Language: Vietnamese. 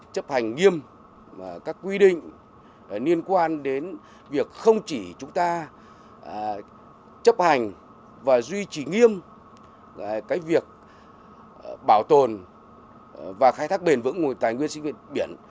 chấp hành nghiêm các quy định liên quan đến việc không chỉ chúng ta chấp hành và duy trì nghiêm việc bảo tồn và khai thác bền vững nguồn tài nguyên sinh viên biển